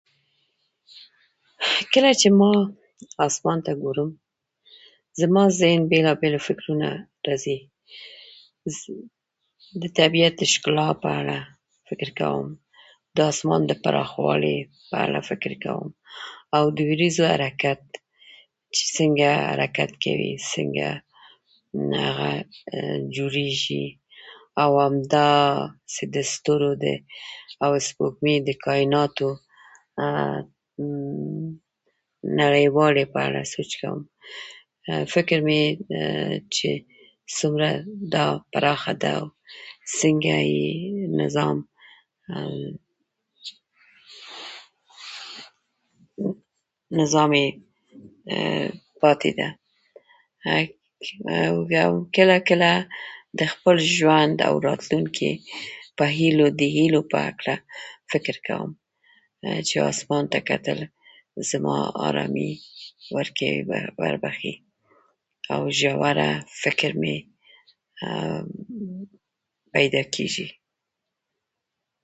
کله چې ما اسمان ته ګورم، زما ذهن ته بېلابېل فکرونه راځي. د طبیعت د ښکلا په اړه فکر کوم، د اسمان د پراخوالي په اړه فکر کوم، او د ورېځو حرکت، چې څنګه حرکت کوي، څنګه جوړېږي. او همداسې د ستورو، سپوږمۍ او کایناتو نړیوالې په اړه سوچ کوم. فکر مې چې څومره دا پراخه ده او څنګه یې نظام نظام یې پاتې ده او بیا کله کله د خپل ژوند او راتلونکي په هیلو، د هیلو په هکله فکر کوم، چې اسمان ته کتل زما ارامي ورکوي، [unintelligible] وربخښي او ژور فکر مې پیدا کېږي.